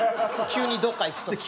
急にどっか行くとか。